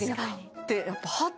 ってやっぱハッ！